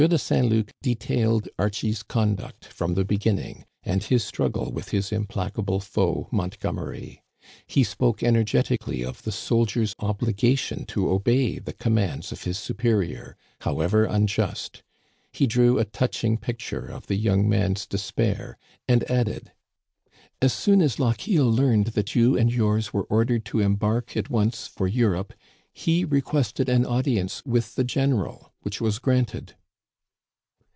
de Saint Luc detailed Archie's conduct from the beginning, and his struggle with his implacable foe Montgomery. He spoke energetically of the soldier's obligation to obey the commands of his superior, how ever unjust. He drew a touching picture of the young man's despair, and added : "As soon as Lochiel learned that you and yours were ordered to embark at once for Europe, he re quested an audience with the general, which was granted.